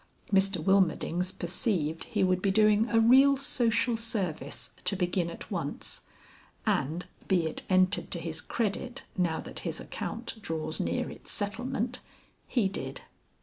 Mr Wilmerdings perceived he would be doing a real social service to begin at once, and (be it entered to his credit now that his account draws near its settlement) he did.